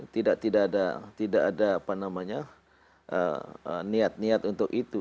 tidak ada niat niat untuk itu